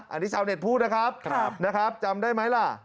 อันนี้ชาวเน็ตพูดนะครับจำได้ไหมล่ะ